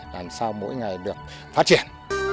làm sao mỗi ngày được phát triển